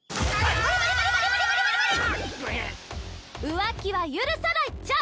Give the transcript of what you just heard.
浮気は許さないっちゃ！